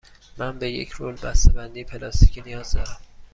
من به یک رول بسته بندی پلاستیکی نیاز دارم.